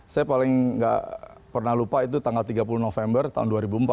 saya paling nggak pernah lupa itu tanggal tiga puluh november tahun dua ribu empat